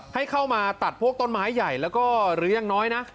ให้เข้ามาตัดพวกต้นไม้ใหญ่แล้วก็หรือยังน้อยนะ